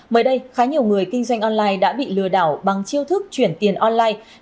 mới đây khá nhiều người kinh doanh online đã bị lừa đảo bằng chiêu thức chuyển tiền online